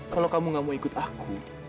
kalau kamu gak mau ikut aku